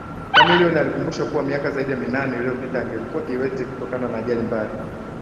Chameleone alikumbusha kuwa miaka zaidi ya minane iliyopita angelikuwa Kiwete kutokana na ajali mbaya